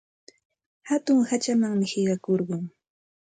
Hatun hachamanmi qiqakurqun.